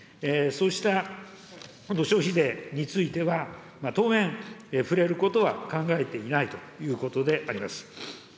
そうした消費税については、当面、触れることは考えていないということであります。